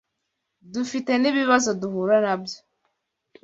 dufite nibibazo duhura nabyo